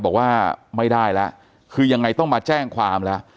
บอกว่าไม่ได้แล้วคือยังไงต้องมาแจ้งความแล้ว